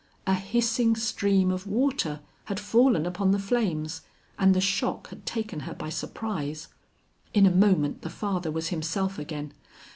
A hissing stream of water had fallen upon the flames, and the shock had taken her by surprise. In a moment the father was himself again.